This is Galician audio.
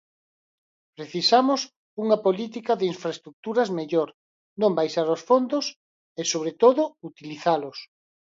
Precisamos unha política de infraestruturas mellor, non baixar os fondos, e sobre todo utilizalos.